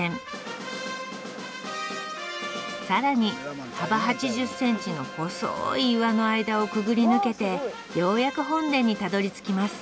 更に幅８０センチの細い岩の間をくぐり抜けてようやく本殿にたどりつきます